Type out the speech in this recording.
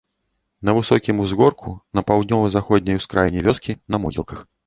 На высокім узгорку, на паўднёва-заходняй ускраіне вёскі, на могілках.